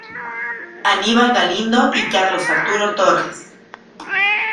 Aníbal Galindo y Carlos Arturo Torres.